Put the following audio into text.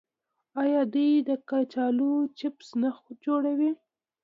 آیا دوی د کچالو چپس نه جوړوي؟